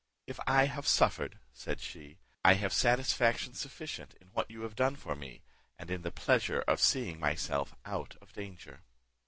"If I have suffered," said she, "I have satisfaction sufficient in what you have done for me, and in the pleasure of seeing myself out of danger."